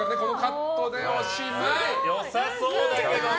良さそうだけどね！